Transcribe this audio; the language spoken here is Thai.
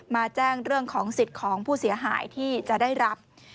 มาแจ้งเรื่องของสิทธิ์ของผู้เสียหายที่จะได้รับ